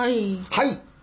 はい！？